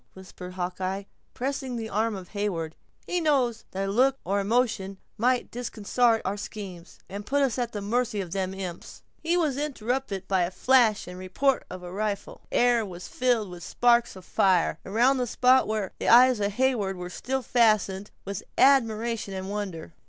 whispered Hawkeye, pressing the arm of Heyward; "he knows that a look or a motion might disconsart our schemes, and put us at the mercy of them imps—" He was interrupted by the flash and report of a rifle. The air was filled with sparks of fire, around that spot where the eyes of Heyward were still fastened, with admiration and wonder.